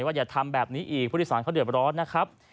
อย่าทำแบบนี้อีกผู้โดยสารเขาเดือดร้อนนะครับ